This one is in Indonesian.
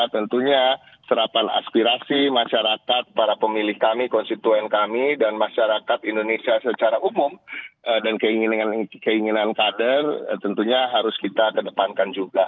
tentunya serapan aspirasi masyarakat para pemilih kami konstituen kami dan masyarakat indonesia secara umum dan keinginan kader tentunya harus kita kedepankan juga